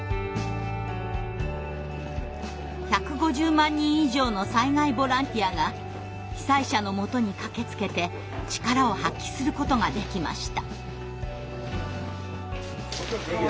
１５０万人以上の災害ボランティアが被災者のもとに駆けつけて力を発揮することができました。